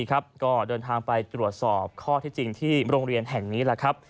ก็เดินทางไปตรวจสอบข้อที่จริงที่โรงเรียนแห่งนี้แหละครับ